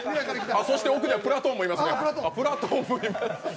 あ、奥にはプラトーンもいます。